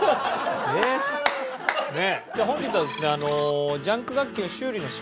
じゃあ本日はですね。